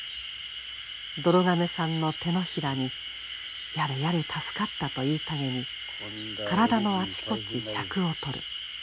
どろ亀さんの手のひらにやれやれ助かったと言いたげに体のあちこち尺を取る。